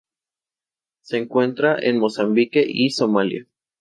Se encuentra en Mozambique y Somalia.